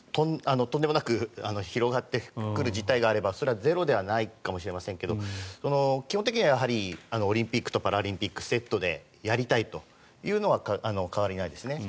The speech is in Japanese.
とんでもなく広がってくる事態になればそれはゼロではないと思いますが基本的にはオリンピックとパラリンピックセットでやりたいというのは変わりないですね。